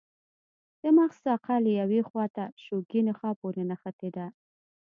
د مغز ساقه له یوې خواته شوکي نخاع پورې نښتې ده.